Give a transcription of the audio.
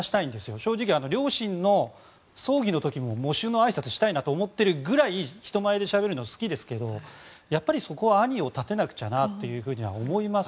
正直、両親の葬儀の時も喪主のあいさつをしたいと思っているぐらい人前でしゃべるの好きですけどやっぱり、そこは兄を立てなくちゃなと思います。